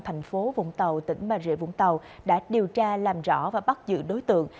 thành phố vũng tàu tỉnh bà rịa vũng tàu đã điều tra làm rõ và bắt giữ đối tượng